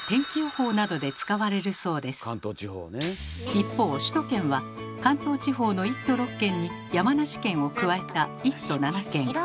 一方首都圏は関東地方の１都６県に山梨県を加えた１都７県。